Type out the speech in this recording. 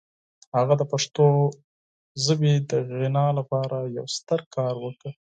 هغه د پښتو ژبې د غنا لپاره یو ستر کار وکړ.